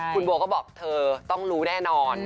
คุณโบก็บอกเธอต้องรู้แน่นอน